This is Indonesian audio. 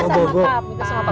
ini ada yang rewel nih papa